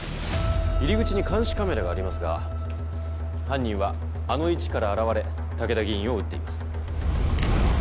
入り口に監視カメラがありますが犯人はあの位置から現れ武田議員を撃っています。